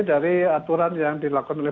dari aturan yang dilakukan oleh